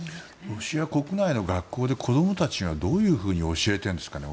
ロシア国内の学校で子供たちにどういうふうに教えているんですかね。